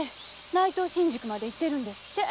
内藤新宿まで行ってるんですって。